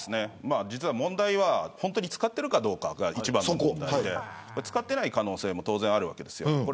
問題は本当に使ってるかどうかが一番の問題で使っていない可能性も当然あるわけです。